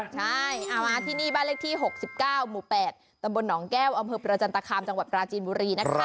ใช่เอามาที่นี่บ้านเลขที่๖๙หมู่๘ตำบลหนองแก้วอำเภอประจันตคามจังหวัดปราจีนบุรีนะคะ